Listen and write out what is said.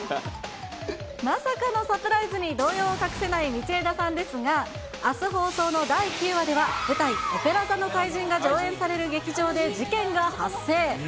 まさかのサプライズに、動揺を隠せない道枝さんですが、あす放送の第９話では、舞台、オペラ座の怪人が上演される劇場で事件が発生。